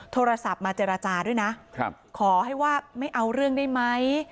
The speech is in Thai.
โทรศัพท์มาเจรจาด้วยนะขอให้ว่าไม่เอาเรื่องได้ไหม